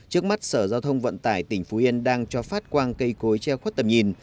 trước mắt sở giao thông vận tải tỉnh phú yên đang cho phát quang cây cối che khuất tầm nhìn